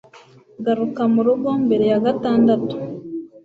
garuka murugo mbere ya gatandatu